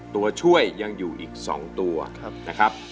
ตัวช่วยยังอยู่อีก๒ตัวนะครับ